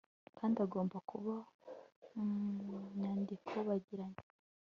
kandi agomba kuba mu nyandiko bagiranye